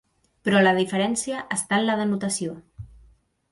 Però la diferència està en la denotació.